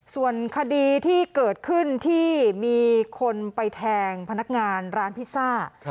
ส่วนคดีที่เกิดขึ้นที่มีคนไปแทงพนักงานร้านพิซซ่า